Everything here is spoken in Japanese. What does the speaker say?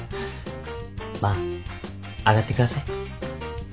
まあ上がってください。